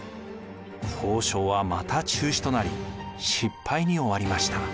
交渉はまた中止となり失敗に終わりました。